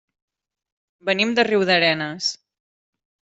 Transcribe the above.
Venim de Riudarenes.